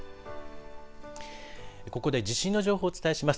ここで地震の情報をお伝えします。